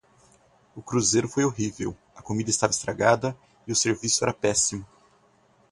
O cruzeiro foi horrível, a comida estava estragada e o serviço era péssimo.